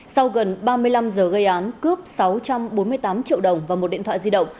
sau gần ba mươi năm giờ gây án cướp sáu trăm bốn mươi tám triệu đồng và một điện thoại di động